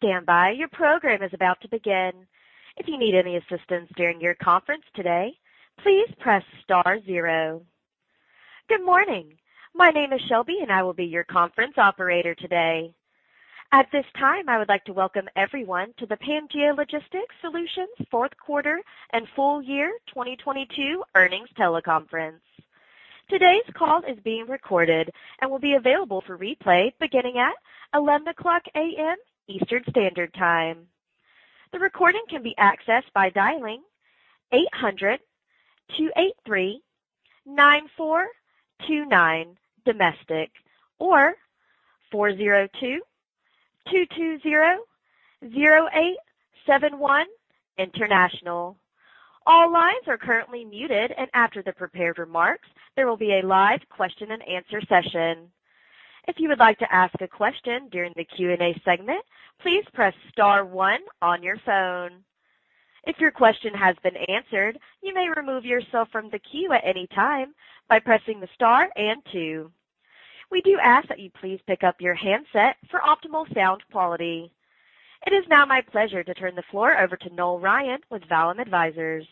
Please standby. Your program is about to begin. If you need any assistance during your conference today, please press star zero. Good morning. My name is Shelby, and I will be your conference operator today. At this time, I would like to welcome everyone to the Pangaea Logistics Solutions Q4 and full year 2022 earnings teleconference. Today's call is being recorded and will be available for replay beginning at 11:00 A.M. Eastern Standard Time. The recording can be accessed by dialing 800-283-9429 domestic or 402-220-0871 international. All lines are currently muted, and after the prepared remarks, there will be a live question-and-answer session. If you would like to ask a question during the Q&A segment, please press star 1 on your phone. If your question has been answered, you may remove yourself from the queue at any time by pressing the star and 2. We do ask that you please pick up your handset for optimal sound quality. It is now my pleasure to turn the floor over to Noel Ryan with Vallum Advisors.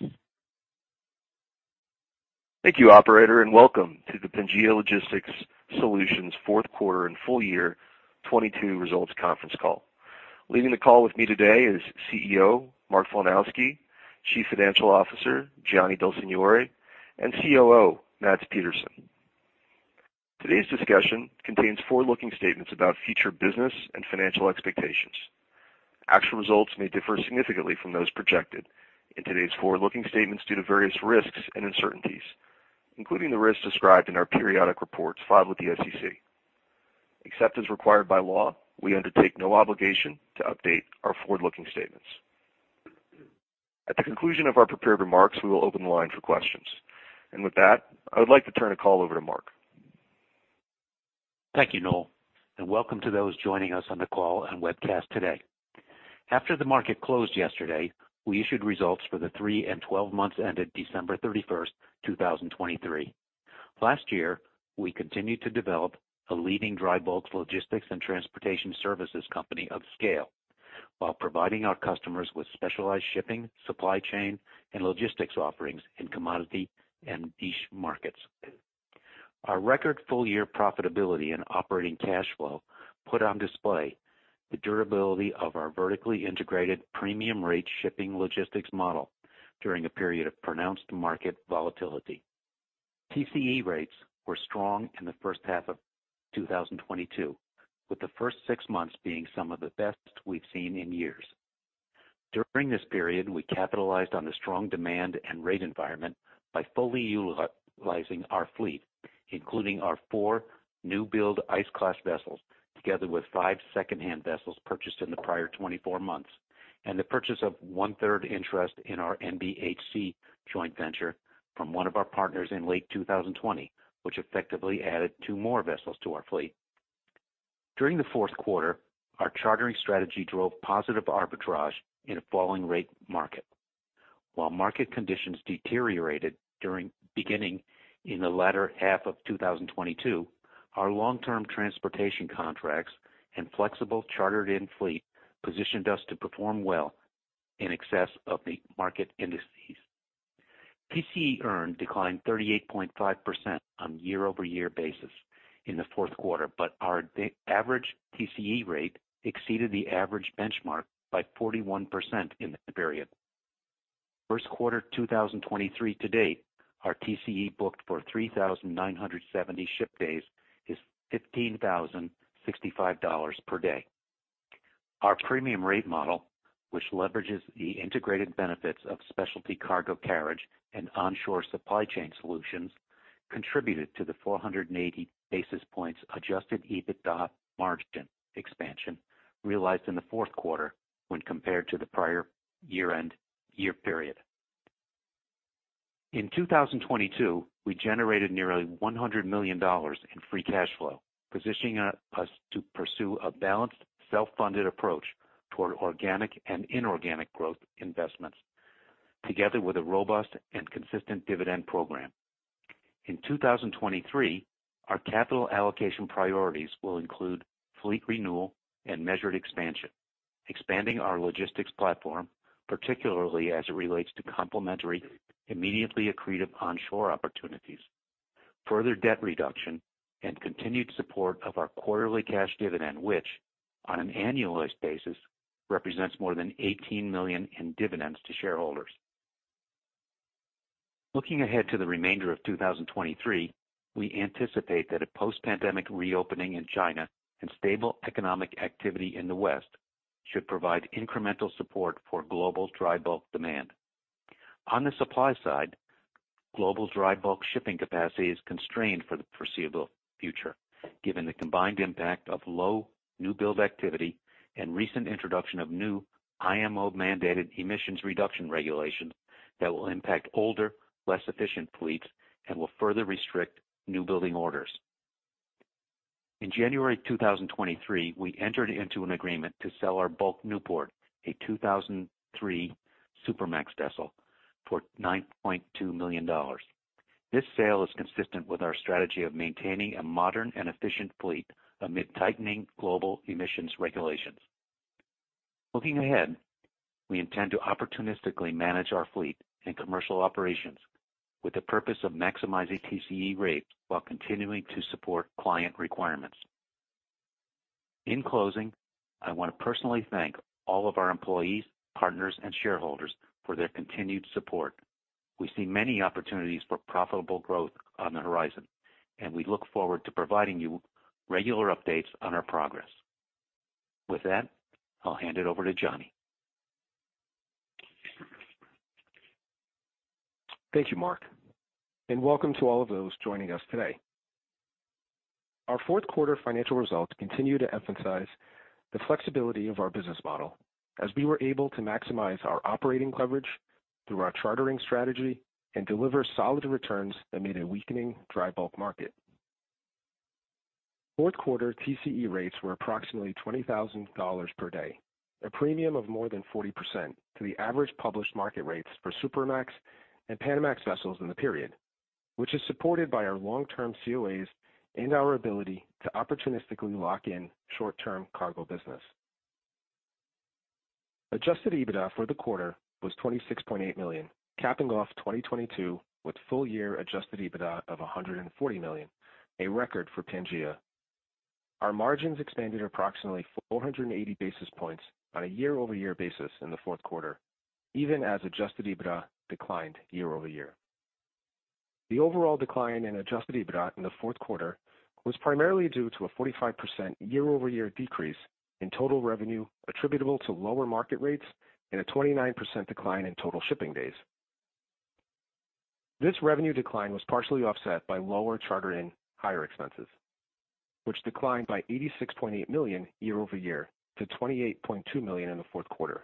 Thank you, operator, and welcome to the Pangaea Logistics Solutions Q4 and full year 2022 results conference call. Leading the call with me today is CEO Mark Filanowski, Chief Financial Officer Gianni Del Signore, and COO Mads Petersen. Today's discussion contains forward-looking statements about future business and financial expectations. Actual results may differ significantly from those projected in today's forward-looking statements due to various risks and uncertainties, including the risks described in our periodic reports filed with the SEC. Except as required by law, we undertake no obligation to update our forward-looking statements. At the conclusion of our prepared remarks, we will open the line for questions. With that, I would like to turn the call over to Mark. Thank you, Noel. Welcome to those joining us on the call and webcast today. After the market closed yesterday, we issued results for the 3 and 12 months ended December 31, 2023. Last year, we continued to develop a leading dry bulk logistics and transportation services company of scale while providing our customers with specialized shipping, supply chain and logistics offerings in commodity and niche markets. Our record full-year profitability and operating cash flow put on display the durability of our vertically integrated premium rate shipping logistics model during a period of pronounced market volatility. TCE rates were strong in the first half of 2022, with the first 6 months being some of the best we've seen in years. During this period, we capitalized on the strong demand and rate environment by fully utilizing our fleet, including our 4 new build ice-class vessels, together with 5 secondhand vessels purchased in the prior 24 months, and the purchase of one-third interest in our MBHC joint venture from one of our partners in late 2020, which effectively added 2 more vessels to our fleet. During the Q4, our chartering strategy drove positive arbitrage in a falling rate market. While market conditions deteriorated beginning in the latter half of 2022, our long-term transportation contracts and flexible chartered in fleet positioned us to perform well in excess of the market indices. TCE earn declined 38.5% on year-over-year basis in the Q4, our average TCE rate exceeded the average benchmark by 41% in the period. Q1 2023 to date, our TCE booked for 3,970 ship days is $15,065 per day. Our premium rate model, which leverages the integrated benefits of specialty cargo carriage and onshore supply chain solutions, contributed to the 480 basis points Adjusted EBITDA margin expansion realized in the Q4 when compared to the prior year-end, year period. In 2022, we generated nearly $100 million in free cash flow, positioning us to pursue a balanced, self-funded approach toward organic and inorganic growth investments, together with a robust and consistent dividend program. In 2023, our capital allocation priorities will include fleet renewal and measured expansion, expanding our logistics platform, particularly as it relates to complementary, immediately accretive onshore opportunities, further debt reduction and continued support of our quarterly cash dividend, which on an annualized basis represents more than $18 million in dividends to shareholders. Looking ahead to the remainder of 2023, we anticipate that a post-pandemic reopening in China and stable economic activity in the West should provide incremental support for global dry bulk demand. On the supply side, global dry bulk shipping capacity is constrained for the foreseeable future, given the combined impact of low new build activity and recent introduction of new IMO-mandated emissions reduction regulations that will impact older, less efficient fleets and will further restrict new building orders. In January 2023, we entered into an agreement to sell our Bulk Newport, a 2003 Supramax vessel, for $9.2 million. This sale is consistent with our strategy of maintaining a modern and efficient fleet amid tightening global emissions regulations. Looking ahead, we intend to opportunistically manage our fleet and commercial operations with the purpose of maximizing TCE rates while continuing to support client requirements. In closing, I want to personally thank all of our employees, partners, and shareholders for their continued support. We see many opportunities for profitable growth on the horizon, and we look forward to providing you regular updates on our progress. With that, I'll hand it over to Gianni. Thank you, Mark, and welcome to all of those joining us today. Our Q4 financial results continue to emphasize the flexibility of our business model as we were able to maximize our operating leverage through our chartering strategy and deliver solid returns amid a weakening dry bulk market. Fourth quarter TCE rates were approximately $20,000 per day, a premium of more than 40% to the average published market rates for Supramax and Panamax vessels in the period, which is supported by our long-term COAs and our ability to opportunistically lock in short-term cargo business. Adjusted EBITDA for the quarter was $26.8 million, capping off 2022 with full year Adjusted EBITDA of $140 million, a record for Pangaea. Our margins expanded approximately 480 basis points on a year-over-year basis in the Q4, even as Adjusted EBITDA declined year-over-year. The overall decline in Adjusted EBITDA in the Q4 was primarily due to a 45% year-over-year decrease in total revenue attributable to lower market rates and a 29% decline in total shipping days. This revenue decline was partially offset by lower charter-hire expenses, which declined by $86.8 million year-over-year to $28.2 million in the Q4.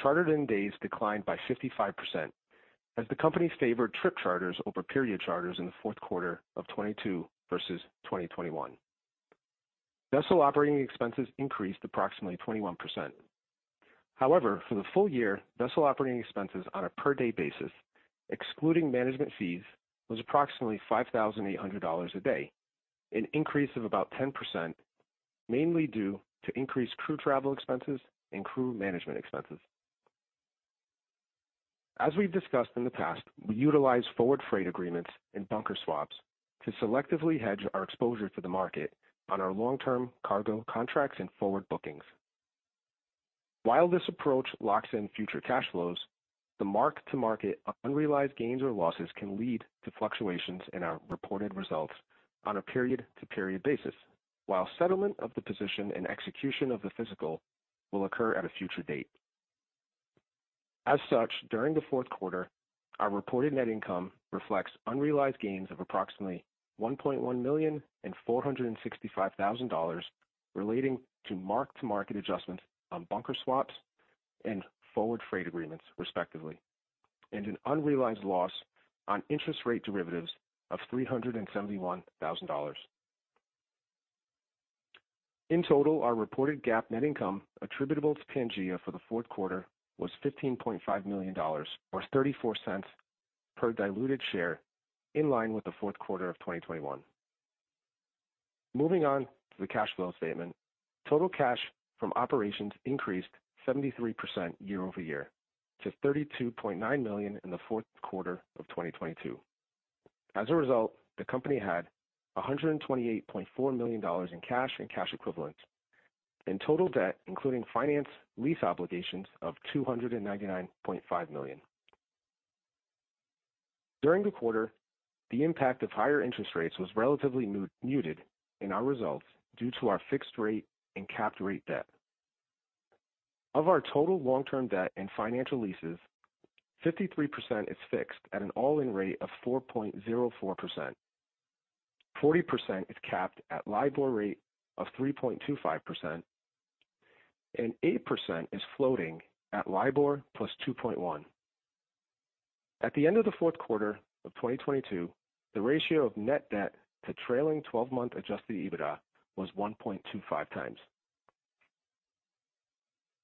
Chartered in days declined by 55% as the company favored trip charters over period charters in the Q4 of 2022 versus 2021. Vessel operating expenses increased approximately 21%. For the full year, vessel operating expenses on a per day basis, excluding management fees, was approximately $5,800 a day, an increase of about 10%, mainly due to increased crew travel expenses and crew management expenses. As we've discussed in the past, we utilize forward freight agreements and bunker swaps to selectively hedge our exposure to the market on our long-term cargo contracts and forward bookings. While this approach locks in future cash flows, the mark-to-market on unrealized gains or losses can lead to fluctuations in our reported results on a period-to-period basis, while settlement of the position and execution of the physical will occur at a future date. As such, during the Q4, our reported net income reflects unrealized gains of approximately $1.1 million and $465,000 relating to mark-to-market adjustments on bunker swaps and forward freight agreements, respectively, and an unrealized loss on interest rate derivatives of $371,000. In total, our reported GAAP net income attributable to Pangaea for the Q4 was $15.5 million, or $0.34 per diluted share, in line with the Q4 of 2021. Moving on to the cash flow statement. Total cash from operations increased 73% year-over-year to $32.9 million in the Q4 of 2022. As a result, the company had $128.4 million in cash and cash equivalents and total debt, including finance lease obligations of $299.5 million. During the quarter, the impact of higher interest rates was relatively muted in our results due to our fixed rate and capped rate debt. Of our total long-term debt and financial leases, 53% is fixed at an all-in rate of 4.04%. 40% is capped at LIBOR rate of 3.25%, and 8% is floating at LIBOR plus 2.1. At the end of the Q4 of 2022, the ratio of net debt to trailing twelve-month Adjusted EBITDA was 1.25 times.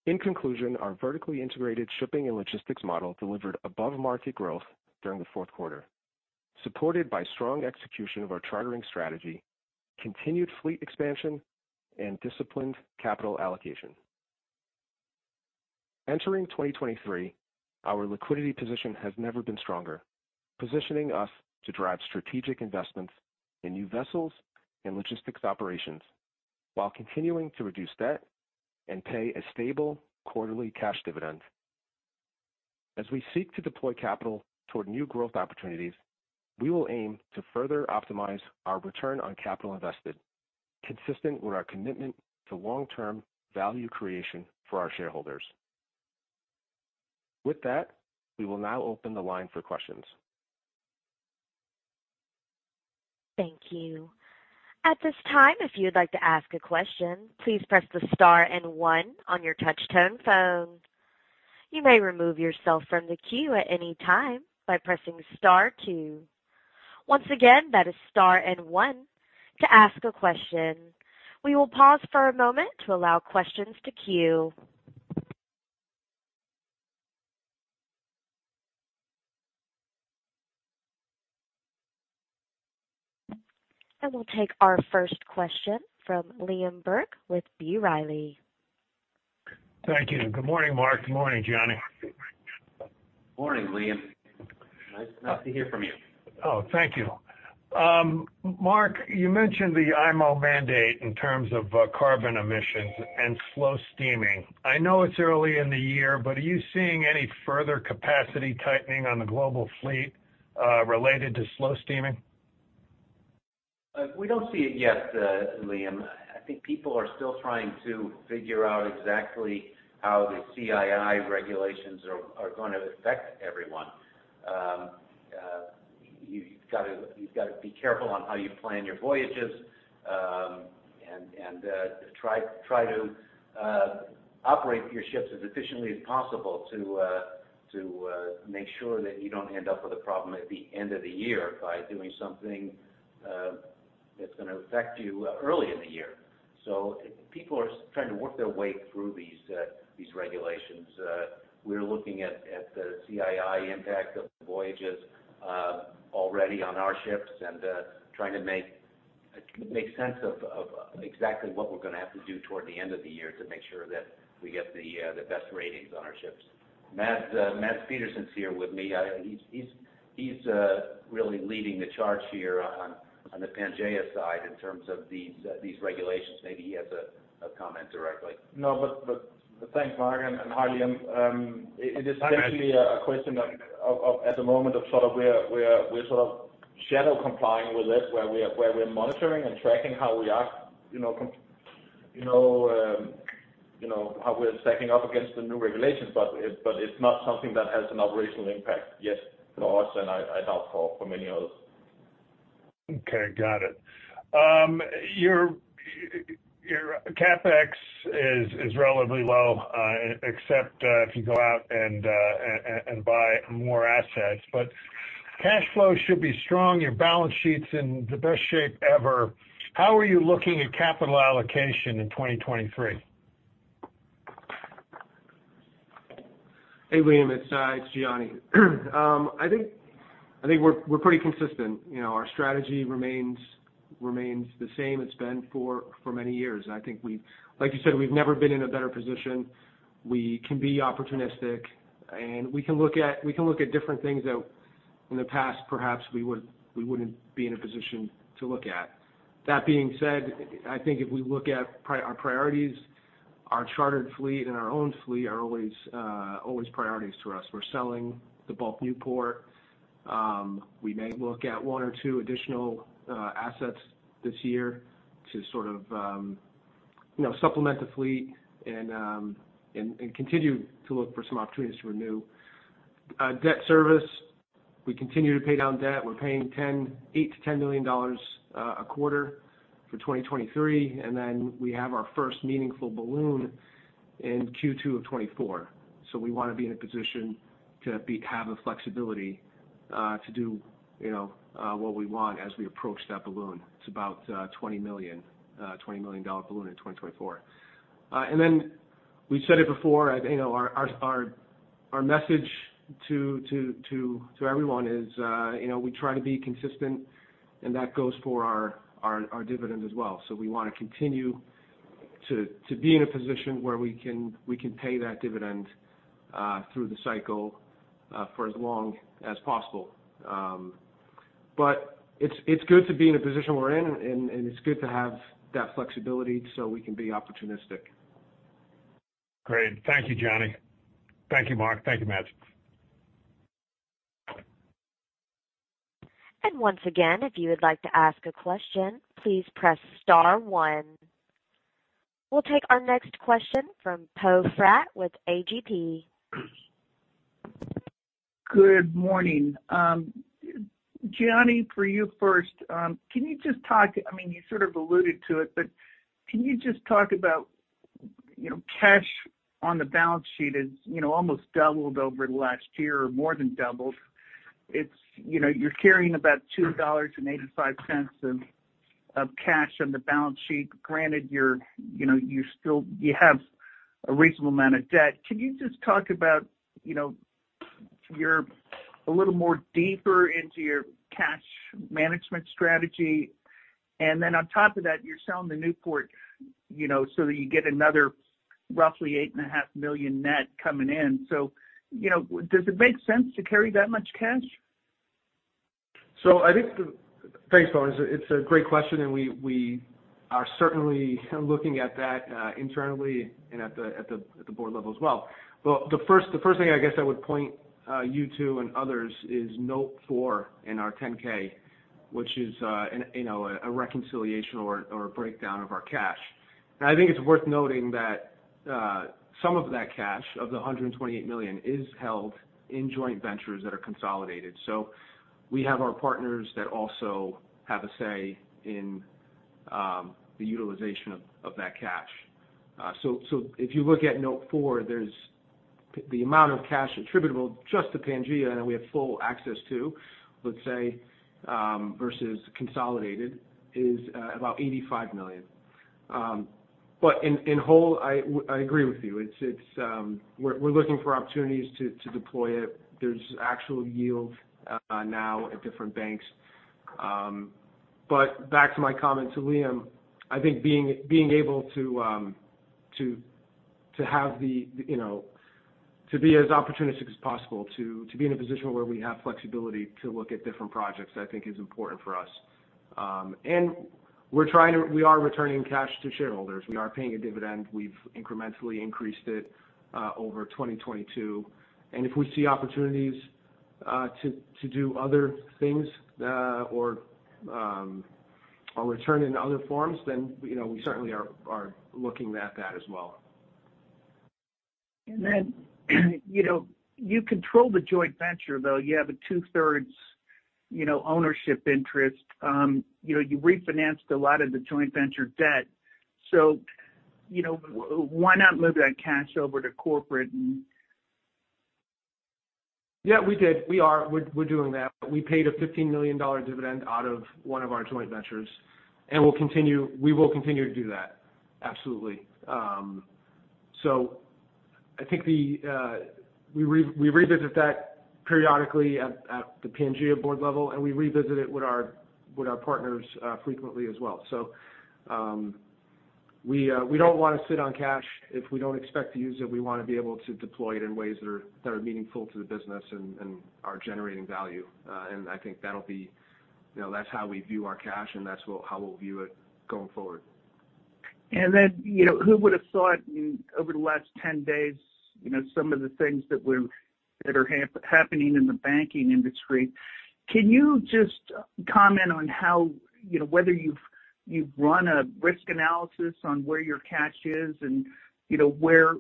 In conclusion, our vertically integrated shipping and logistics model delivered above-market growth during the Q4, supported by strong execution of our chartering strategy, continued fleet expansion, and disciplined capital allocation. Entering 2023, our liquidity position has never been stronger, positioning us to drive strategic investments in new vessels and logistics operations while continuing to reduce debt and pay a stable quarterly cash dividend. As we seek to deploy capital toward new growth opportunities, we will aim to further optimize our return on capital invested, consistent with our commitment to long-term value creation for our shareholders. With that, we will now open the line for questions. Thank you. At this time, if you'd like to ask a question, please press the star and one on your touch-tone phone. You may remove yourself from the queue at any time by pressing star two. Once again, that is star and one to ask a question. We will pause for a moment to allow questions to queue. We'll take our first question from Liam Burke with B. Riley. Thank you. Good morning, Mark. Good morning, Gianni. Morning, Liam. Nice to hear from you. Thank you. Mark, you mentioned the IMO mandate in terms of carbon emissions and slow steaming. I know it's early in the year, but are you seeing any further capacity tightening on the global fleet related to slow steaming? We don't see it yet, Liam. I think people are still trying to figure out exactly how the CII regulations are gonna affect everyone. You've gotta be careful on how you plan your voyages, and try to operate your ships as efficiently as possible to make sure that you don't end up with a problem at the end of the year by doing something that's gonna affect you early in the year. People are trying to work their way through these regulations. We're looking at the CII impact of the voyages already on our ships and trying to make sense of exactly what we're gonna have to do toward the end of the year to make sure that we get the best ratings on our ships. Mads Petersen is here with me. He's really leading the charge here on the Pangaea side in terms of these regulations. Maybe he has a comment directly. No, but thanks, Mark and Liam. it is essentially a question of at the moment of sort of we're sort of shadow complying with this, where we are, where we are monitoring and tracking how we are, you know, you know, how we're stacking up against the new regulations. it's not something that has an operational impact yet for us, and I doubt for many others. Okay, got it. Your CapEx is relatively low, except, if you go out and buy more assets. Cash flow should be strong, your balance sheet's in the best shape ever. How are you looking at capital allocation in 2023? Hey, Liam, it's Gianni. I think we're pretty consistent. You know, our strategy remains the same it's been for many years. I think like you said, we've never been in a better position. We can be opportunistic, and we can look at, we can look at different things that in the past, perhaps we wouldn't be in a position to look at. That being said, I think if we look at our priorities, our chartered fleet and our own fleet are always priorities to us. We're selling the Bulk Newport. We may look at one or two additional assets this year to sort of, you know, supplement the fleet and continue to look for some opportunities to renew. Debt service, we continue to pay down debt. We're paying $8 million to $10 million a quarter for 2023. Then we have our first meaningful balloon in Q2 of 2024. We wanna have flexibility, you know, to do what we want as we approach that balloon. It's about a $20 million, $20 million dollar balloon in 2024. Then we've said it before, you know, our message to everyone is, you know, we try to be consistent and that goes for our dividend as well. We wanna continue to be in a position where we can pay that dividend through the cycle for as long as possible. It's good to be in a position we're in, and it's good to have that flexibility so we can be opportunistic. Great. Thank you, Gianni. Thank you, Mark. Thank you, Mads. Once again, if you would like to ask a question, please press star one. We'll take our next question from Poe Fratt with AGP. Good morning. Gianni, for you first. Can you just talk, I mean, you sort of alluded to it, but can you just talk about, you know, cash on the balance sheet is, you know, almost doubled over the last year or more than doubled. It's, you know, you're carrying about $2.85 of cash on the balance sheet, granted you're, you know, you still you have a reasonable amount of debt. Can you just talk about, you know, your, a little more deeper into your cash management strategy? On top of that, you're selling the Newport, you know, so that you get another roughly $8.5 million net coming in. You know, does it make sense to carry that much cash? Thanks, Poe. It's a great question, and we are certainly looking at that internally and at the board level as well. Well, the first thing I guess I would point you to and others is note 4 in our 10-K, which is, you know, a reconciliation or a breakdown of our cash. I think it's worth noting that some of that cash, of the $128 million, is held in joint ventures that are consolidated. We have our partners that also have a say in the utilization of that cash. If you look at note 4, there's the amount of cash attributable just to Pangaea, and we have full access to, let's say, versus consolidated, is about $85 million. In whole, I agree with you. It's, we're looking for opportunities to deploy it. There's actual yield now at different banks. Back to my comment to Liam, I think being able to have the, you know, to be as opportunistic as possible to be in a position where we have flexibility to look at different projects, I think is important for us. We are returning cash to shareholders. We are paying a dividend. We've incrementally increased it over 2022. If we see opportunities to do other things, or return in other forms, then, you know, we certainly are looking at that as well. You know, you control the joint venture, though. You have a 2/3, you know, ownership interest. You know, you refinanced a lot of the joint venture debt. You know, why not move that cash over to corporate and. Yeah, we did. We're doing that. We paid a $15 million dividend out of one of our joint ventures, we will continue to do that. Absolutely. I think the, we revisit that periodically at the Pangaea board level, we revisit it with our partners frequently as well. We don't wanna sit on cash if we don't expect to use it. We wanna be able to deploy it in ways that are meaningful to the business and are generating value. I think that'll be, you know, that's how we view our cash, and that's how we'll view it going forward. You know, who would've thought over the last 10 days, you know, some of the things that are happening in the banking industry? Can you just comment on how, you know, whether you've run a risk analysis on where your cash is and, you know, where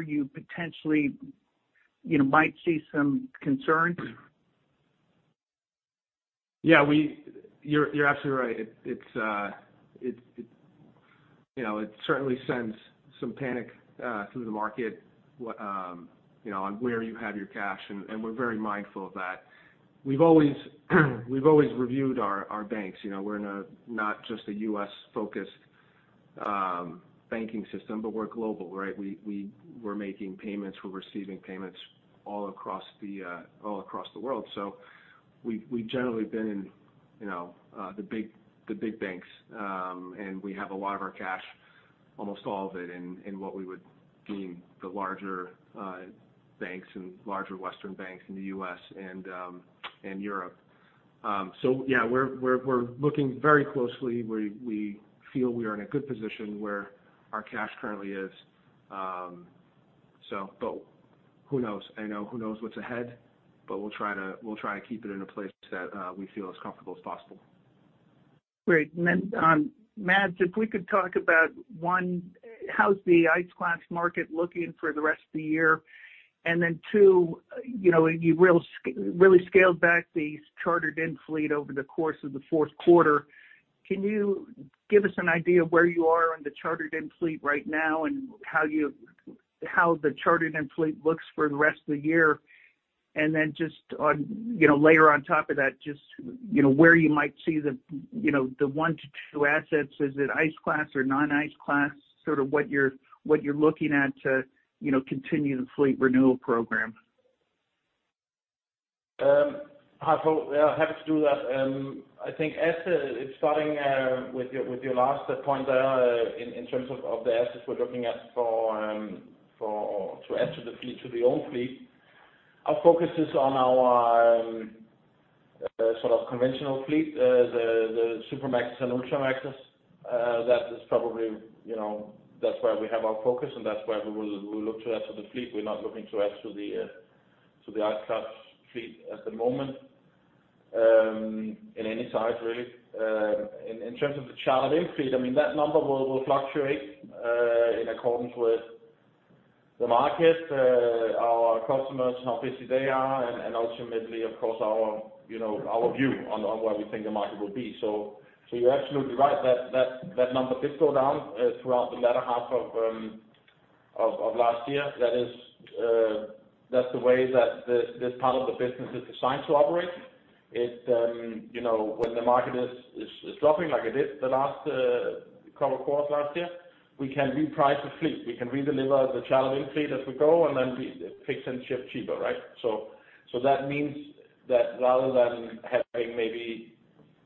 you potentially, you know, might see some concerns? Yeah, you're absolutely right. It's, you know, it certainly sends some panic through the market, what, you know, on where you have your cash, and we're very mindful of that. We've always reviewed our banks. You know, we're in a not just a U.S.-focused banking system, but we're global, right? We're making payments, we're receiving payments all across the world. We've generally been in, you know, the big banks. And we have a lot of our cash, almost all of it, in what we would deem the larger banks and larger Western banks in the U.S. and Europe. Yeah, we're looking very closely. We feel we are in a good position where our cash currently is. But who knows? I know who knows what's ahead, but we'll try to, we'll try to keep it in a place that we feel as comfortable as possible. Great. Then, Mads, if we could talk about, 1, how's the ice-class market looking for the rest of the year? Then 2, you know, you really scaled back the chartered-in fleet over the course of the Q4. Can you give us an idea of where you are on the chartered-in fleet right now and how the chartered-in fleet looks for the rest of the year? Then just on, you know, layer on top of that, just, you know, where you might see the, you know, the 1-2 assets, is it ice-class or non-ice-class, sort of what you're looking at to, you know, continue the fleet renewal program. I hope, happy to do that. I think as starting with your last point there in terms of the assets we're looking at for to add to the fleet, to the own fleet, our focus is on our sort of conventional fleet, the Supramax and Ultramaxes. That is probably, you know, that's where we have our focus, and that's where we will, we'll look to add to the fleet. We're not looking to add to the ice-class fleet at the moment, in any size really. In terms of the chartered-in fleet, I mean, that number will fluctuate in accordance with the market, our customers and how busy they are and ultimately, of course our, you know, our view on where we think the market will be. You're absolutely right that number did go down throughout the latter half of last year. That is, that's the way that this part of the business is designed to operate. You know, when the market is dropping like it did the last couple quarters last year, we can reprice the fleet. We can redeliver the chartered-in fleet as we go, and then we fix and ship cheaper, right? That means that rather than having maybe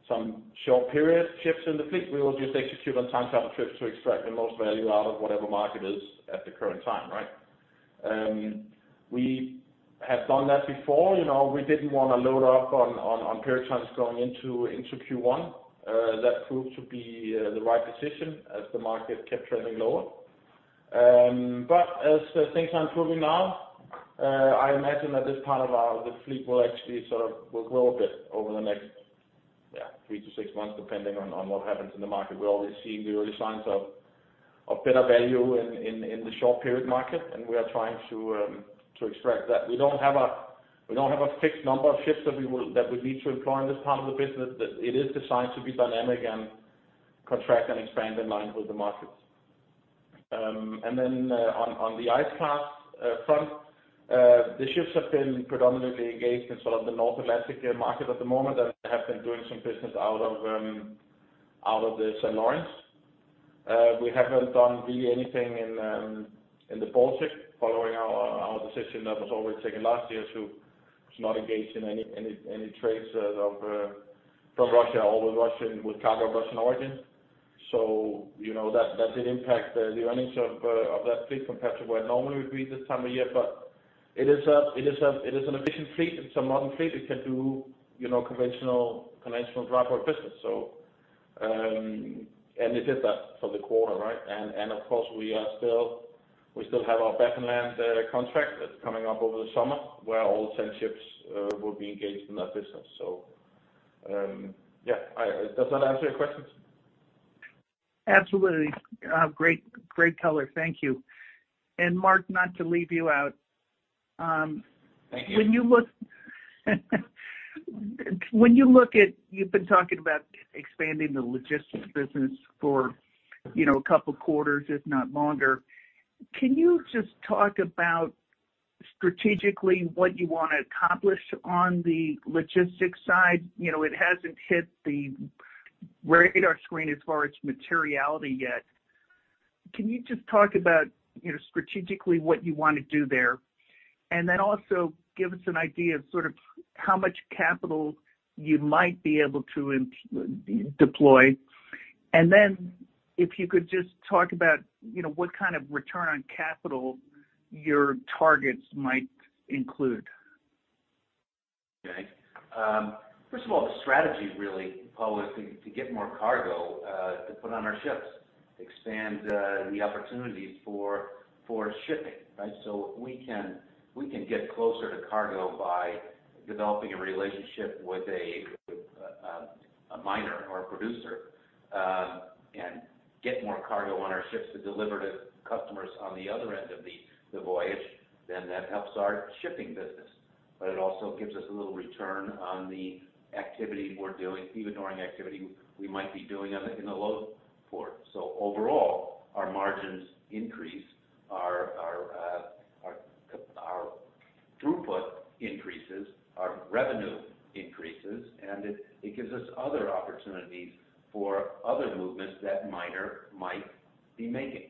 some short period ships in the fleet, we will just execute on time charter trips to extract the most value out of whatever market is at the current time, right? We have done that before. You know, we didn't wanna load up on period charters going into Q1. That proved to be the right decision as the market kept trending lower. But as things are improving now, I imagine that this part of our the fleet will actually sort of will grow a bit over the next, yeah, 3-6 months, depending on what happens in the market. We're already seeing the early signs of better value in the short period market, and we are trying to extract that. We don't have a fixed number of ships that we need to employ in this part of the business. It is designed to be dynamic and contract and expand in line with the markets. On the ice-class front, the ships have been predominantly engaged in sort of the North Atlantic market at the moment and have been doing some business out of the St. Lawrence. We haven't done really anything in the Baltic following our decision that was already taken last year to not engage in any trades from Russia or with Russian, with cargo of Russian origin. you know, that did impact the earnings of that fleet compared to where it normally would be this time of year. It is an efficient fleet. It's a modern fleet. It can do, you know, conventional dry bulk business. and it did that for the quarter, right? of course, we still have our Bethlehem's contract that's coming up over the summer, where all 10 ships will be engaged in that business. yeah. I... Does that answer your questions? Absolutely. Great, great color. Thank you. Mark, not to leave you out. Thank you. You've been talking about expanding the logistics business for, you know, a couple quarters, if not longer. Can you just talk about strategically what you wanna accomplish on the logistics side? You know, it hasn't hit the radar screen as far as materiality yet. Can you just talk about, you know, strategically what you wanna do there? Also give us an idea of sort of how much capital you might be able to deploy. If you could just talk about, you know, what kind of return on capital your targets might include. Okay. First of all, the strategy really, Paul, is to get more cargo to put on our ships, expand the opportunities for shipping, right? We can get closer to cargo by developing a relationship with a miner or a producer, and get more cargo on our ships to deliver to customers on the other end of the voyage, that helps our shipping business. It also gives us a little return on the activity we're doing, even during activity we might be doing in the load port. Overall, our margins increase, our throughput increases, our revenue increases, and it gives us other opportunities for other movements that miner might be making.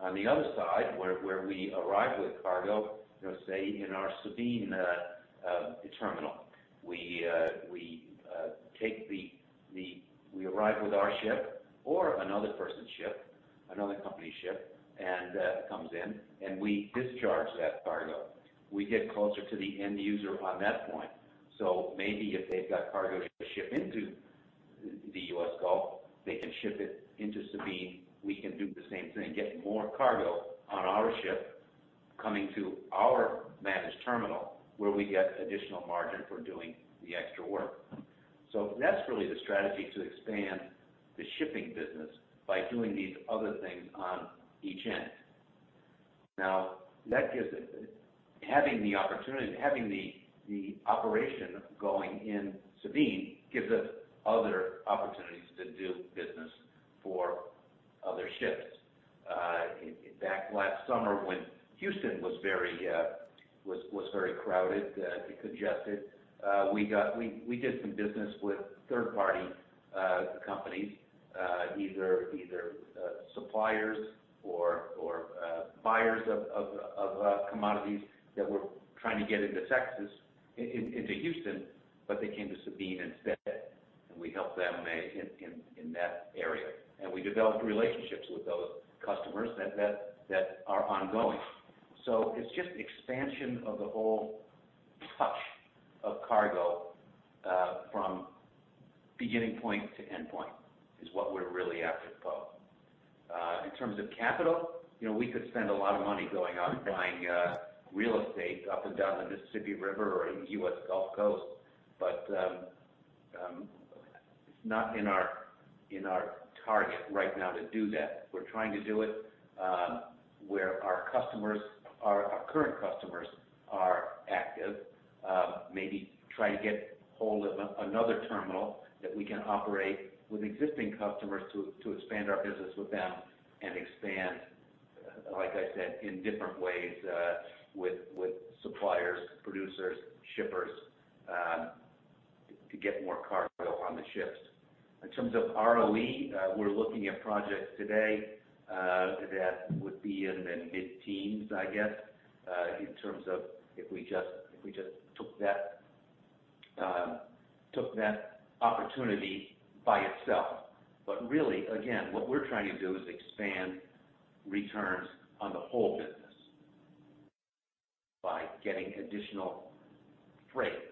On the other side, where we arrive with cargo, you know, say in our Sabine terminal, We arrive with our ship or another person's ship, another company's ship, comes in and we discharge that cargo. We get closer to the end user on that point. Maybe if they've got cargo to ship into the U.S. Gulf, they can ship it into Sabine. We can do the same thing, get more cargo on our ship coming to our managed terminal, where we get additional margin for doing the extra work. That's really the strategy, to expand the shipping business by doing these other things on each end. Having the opportunity, having the operation going in Sabine gives us other opportunities to do business for other ships. In fact, last summer when Houston was very crowded, congested, we did some business with third-party companies, either suppliers or buyers of commodities that were trying to get into Texas, into Houston, but they came to Sabine instead, and we helped them in that area. We developed relationships with those customers that are ongoing. It's just expansion of the whole touch of cargo from beginning point to end point, is what we're really after, Poe. In terms of capital, you know, we could spend a lot of money going out and buying real estate up and down the Mississippi River or in U.S. Gulf Coast, but it's not in our target right now to do that. We're trying to do it where our current customers are active. Maybe try to get hold of another terminal that we can operate with existing customers to expand our business with them and expand, like I said, in different ways, with suppliers, producers, shippers, to get more cargo on the ships. In terms of ROE, we're looking at projects today that would be in the mid-teens, I guess, in terms of if we just took that opportunity by itself. Really, again, what we're trying to do is expand returns on the whole business by getting additional freight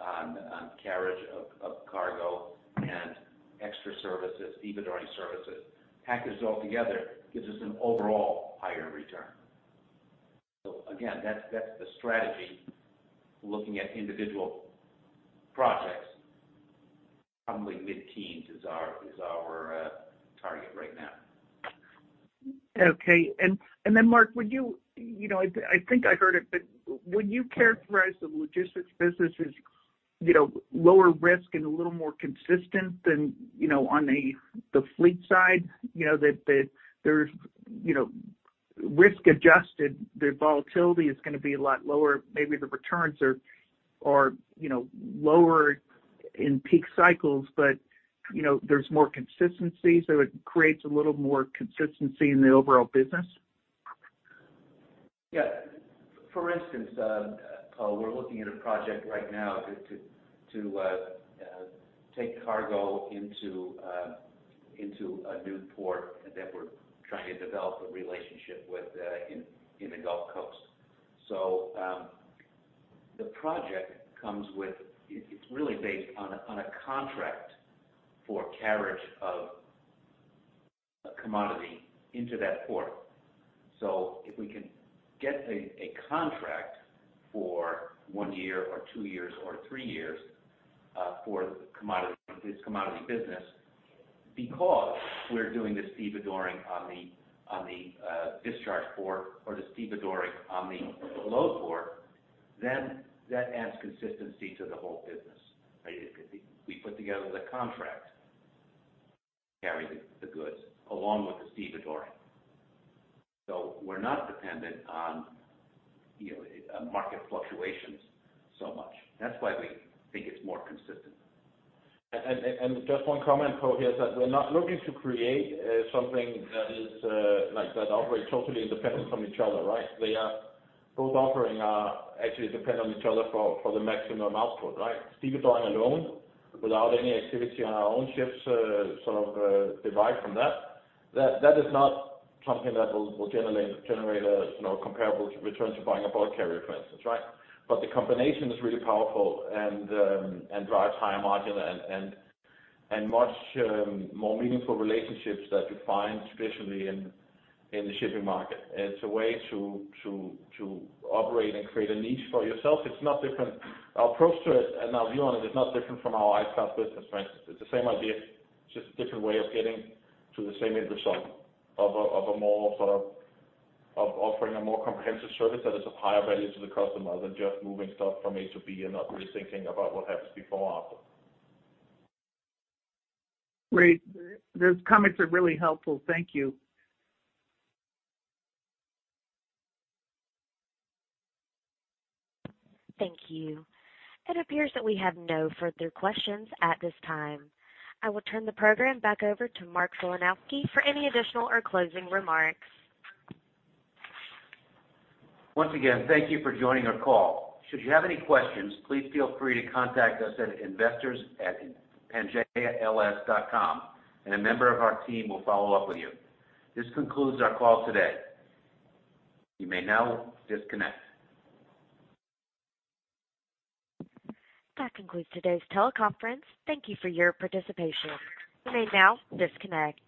on carriage of cargo and extra services, even during services. Package it all together, gives us an overall higher return. Again, that's the strategy. Looking at individual projects, probably mid-teens is our target right now. Okay. Mark, would you know, I think I heard it, but would you characterize the logistics business as, you know, lower risk and a little more consistent than, you know, on the fleet side, you know, that there's, you know, risk adjusted, the volatility is gonna be a lot lower. Maybe the returns are, you know, lower in peak cycles, but, you know, there's more consistency, so it creates a little more consistency in the overall business. Yeah. For instance, Poe, we're looking at a project right now to take cargo into a new port that we're trying to develop a relationship with in the Gulf Coast. The project comes with. It's really based on a contract for carriage of a commodity into that port. If we can get a contract for one year or two years or three years for commodity, this commodity business, because we're doing the stevedoring on the discharge port or the stevedoring on the load port, then that adds consistency to the whole business. Right. It could be we put together the contract carrying the goods along with the stevedoring. We're not dependent on, you know, market fluctuations so much. That's why we think it's more consistent. Just one comment, Poe, here, that we're not looking to create something that is that operate totally independent from each other, right? Both offering are actually depend on each other for the maximum output, right? Stevedoring alone without any activity on our own ships, sort of, derived from that is not something that will generate a, you know, comparable return to buying a bulk carrier, for instance, right? The combination is really powerful and drives higher margin and much more meaningful relationships that you find traditionally in the shipping market. It's a way to operate and create a niche for yourself. It's not different. Our approach to it and our view on it is not different from our ice-class business, for instance. It's the same idea, just different way of getting to the same end result of offering a more comprehensive service that is of higher value to the customer than just moving stuff from A to B and not really thinking about what happens before or after. Great. Those comments are really helpful. Thank you. Thank you. It appears that we have no further questions at this time. I will turn the program back over to Mark Filanowski for any additional or closing remarks. Once again, thank you for joining our call. Should you have any questions, please feel free to contact us at investors@pangaeals.com and a member of our team will follow up with you. This concludes our call today. You may now disconnect. That concludes today's teleconference. Thank you for your participation. You may now disconnect.